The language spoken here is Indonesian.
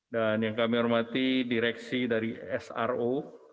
dan yang kami hormati direksi dari sro